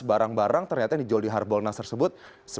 barang barang ternyata yang dijual di harbolnas tersebut